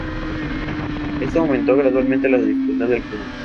Esto aumenta gradualmente la dificultad del juego.